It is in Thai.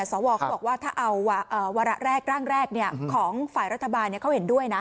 สวเขาบอกว่าถ้าเอาวาระแรกร่างแรกของฝ่ายรัฐบาลเขาเห็นด้วยนะ